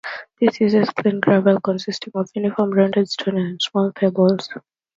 This uses clean gravel consisting of uniform, rounded stones and small pebbles.